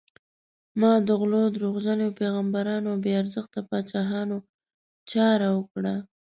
ما د غلو، دروغجنو پیغمبرانو او بې ارزښته پاچاهانو چاره وکړه.